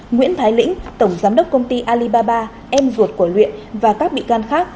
nguyễn thái lĩnh tổng giám đốc công ty alibaba em ruột của luyện và các bị can khác